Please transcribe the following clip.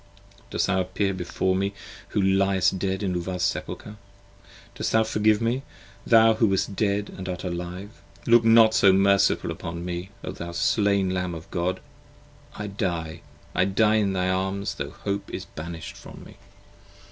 Dost thou appear before me who liest dead in Luvah's Sepulcher? Dost thou forgive me? thou who wast Dead & art Alive? Look not so merciful upon me, O thou Slain Lamb of God! 60 I die! I die in thy arms tho' Hope is banish'd from me.